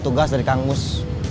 ada tugas dari kang mus